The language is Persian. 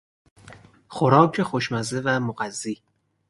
خوراک خوشمزه و مغذی